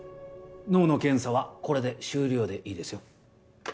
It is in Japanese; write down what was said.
脳の検査はこれで終了でいいですよ。